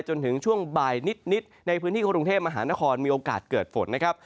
จนถึงช่วงบ่ายนิดในพื้นที่กรุงเทพมหานครมีโอกาสเกิดฝนนะครับ